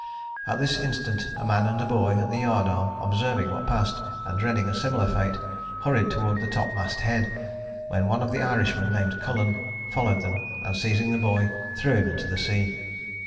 At this instant a man and a boy at the yard arm, observing what passed, and dreading a similar fate, hurried towards the topmast head, when one of the Irishmen, named Cullen, followed them, and, seizing the boy, threw him into the sea.